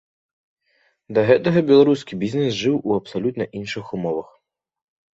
Да гэтага беларускі бізнэс жыў у абсалютна іншых умовах.